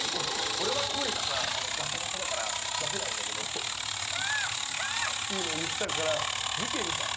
俺は声がさガサガサだから出せないんだけど「キャーキャー」っていうのを言っちゃうから事件じゃん